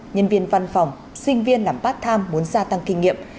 nhân viên văn phòng sinh viên làm part time muốn gia tăng kinh nghiệm